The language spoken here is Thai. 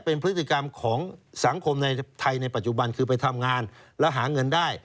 เป็นพฤติกรรมของสังคมในไทยในปัจจุบันคือไปทำงานแล้วหาเงินได้